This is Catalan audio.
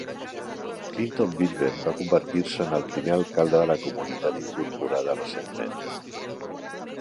Clinton Vilven va convertir-se en el primer alcalde de la comunitat incorporada recentment.